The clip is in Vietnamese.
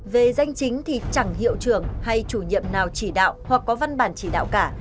về danh chính thì chẳng hiệu trưởng hay chủ nhiệm nào chỉ đạo hoặc có văn bản chỉ đạo cả